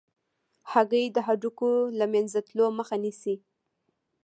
هګۍ د هډوکو له منځه تلو مخه نیسي.